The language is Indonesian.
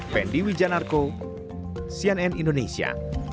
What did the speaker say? pendi wijanarko cnn indonesia